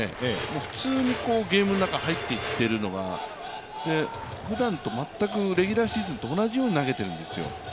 普通にゲームの中に入っていっているのが、ふだんと、全くレギュラーシーズンと同じように投げているんですよ。